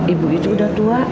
ibu itu udah tua